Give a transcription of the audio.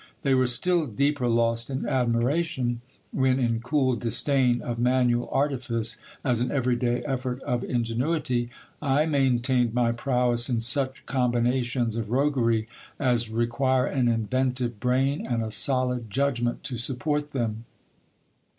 They were still deeper lost in admiration, when in cool disdain of manual artifice, as an every day effort of ingenuity, I main tained my prowess in such combinations of roguery as require an inventive brain and a solid judgment to support them.